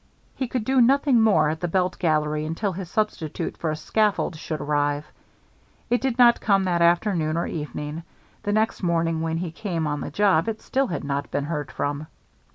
He could do nothing more at the belt gallery until his substitute for a scaffold should arrive; it did not come that afternoon or evening, and next morning when he came on the job it still had not been heard from.